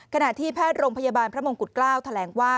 ขณะที่แพทย์โรงพยาบาลพระมงกุฎเกล้าแถลงว่า